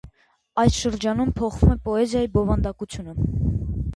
Այս շրջանում փոխվում է պոեզիայի բովանդակությունը։